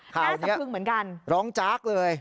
ข่าวนี้ร้องจั๊กเลยครับแน่สะพึงเหมือนกัน